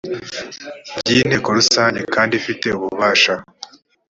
byi inteko rusange kandi ifite ububasha